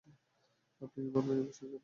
আপনি কি বলবেন এই পোশাকের ব্যাপারে?